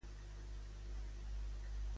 A què s'ha negat el PDECat?